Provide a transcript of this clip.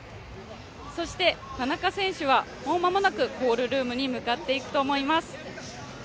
そして田中選手はもう間もなくコールルームに向かっていくと思います。